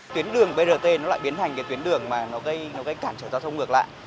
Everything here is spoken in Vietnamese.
tuyến đường brt lại biến thành tuyến đường gây cản trở giao thông ngược lại